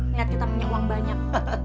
lihat kita punya uang banyak